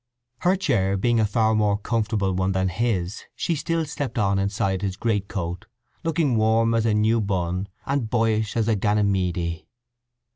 Her chair being a far more comfortable one than his she still slept on inside his great coat, looking warm as a new bun and boyish as a Ganymede.